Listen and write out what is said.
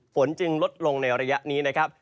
ฝนจึงลดลงในระยะนี้นะครับ